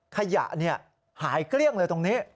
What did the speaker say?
ขยะหายเกลี้ยงเลยตรงนี้